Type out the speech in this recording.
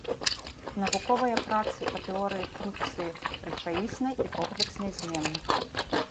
Навуковыя працы па тэорыі функцыі рэчаіснай і комплекснай зменных.